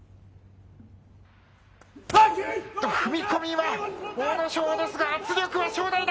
踏み込みは阿武咲ですが、圧力は正代だ。